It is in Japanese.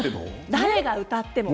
誰が歌っても？